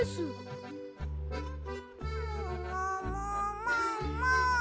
ももももも。